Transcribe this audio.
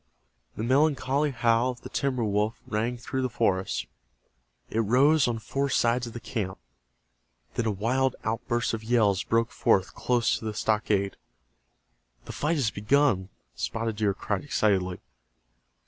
The melancholy howl of the timber wolf rang through the forest. It rose on four sides of the camp. Then a wild outburst of yells broke forth close to the stockade. "The fight has begun!" Spotted Deer cried, excitedly.